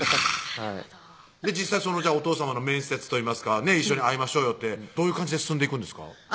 はぁ実際お父さまの面接といいますか「一緒に会いましょうよ」ってどういう感じで進んでいくんですか？